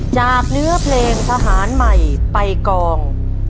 จากเนื้อเพลงทหารใหม่ไปกอง